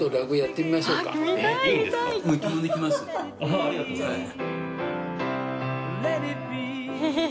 ありがとうございます。